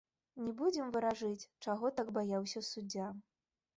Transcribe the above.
Не будзем варажыць, чаго так баяўся суддзя.